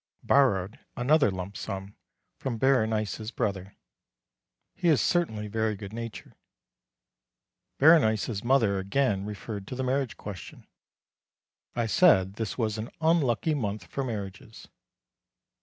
Borrowed another lump sum from Berenice's brother. He is certainly very good natured. Berenice's mother again referred to the marriage question. I said this was an unlucky month for marriages.